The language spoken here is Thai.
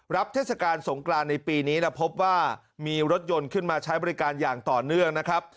เทศกาลสงกรานในปีนี้แล้วพบว่ามีรถยนต์ขึ้นมาใช้บริการอย่างต่อเนื่องนะครับ